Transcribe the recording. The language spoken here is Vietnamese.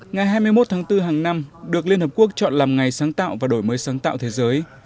ngày hai mươi một tháng bốn hàng năm được liên hợp quốc chọn làm ngày sáng tạo và đổi mới sáng tạo thế giới